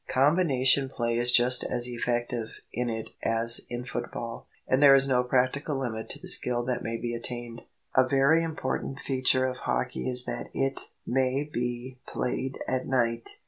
Combination play is just as effective in it as in football, and there is no practical limit to the skill that may be attained. A very important feature of hockey is that it may be played at night.